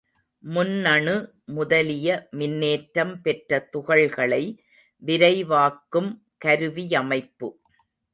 முன்னணு முதலிய மின்னேற்றம் பெற்ற துகள்களை விரைவாக்கும் கருவியமைப்பு.